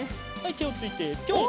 てをついてぴょん！